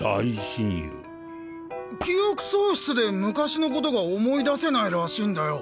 記憶喪失で昔のことが思い出せないらしいんだよ。